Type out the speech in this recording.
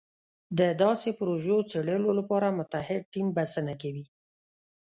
د داسې پروژو څېړلو لپاره متعهد ټیم بسنه کوي.